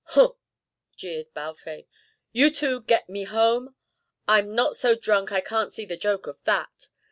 "Huh!" jeered Balfame, "you two get me home! I'm not so drunk I can't see the joke of that.